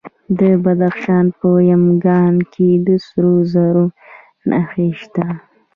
د بدخشان په یمګان کې د سرو زرو نښې شته.